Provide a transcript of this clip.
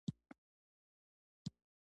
بزګان د افغانستان د کلتوري میراث یوه برخه ده.